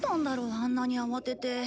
あんなに慌てて。